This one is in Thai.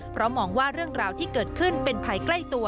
เพราะมองว่าเรื่องราวที่เกิดขึ้นเป็นภัยใกล้ตัว